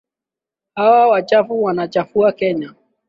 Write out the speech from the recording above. Hawa wachafu wanachafua Kenya.